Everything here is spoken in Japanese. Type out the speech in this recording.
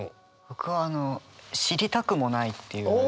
僕はあの「知りたくもない」っていうのが。